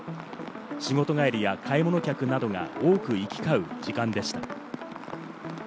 仕事帰りや買い物客などが多く行き交う時間でした。